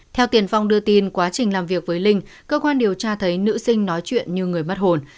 theo tiền phong đưa tin quá trình làm việc với linh cơ quan điều tra thấy nữ sinh nói chuyện như người mất hồn